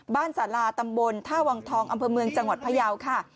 สาราตำบลท่าวังทองอำเภอเมืองจังหวัดพยาวค่ะ